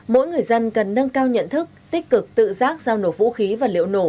mỗi người dân cần nâng cao nhận thức tích cực tự giác giao nổ vũ khí và liệu nổ